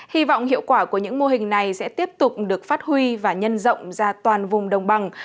hy vọng hiệu quả của những mô hình này sẽ tiếp tục được phát huy và nhân rộng ra toàn vùng đồng bằng